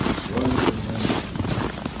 Vojna se z vojno hrani.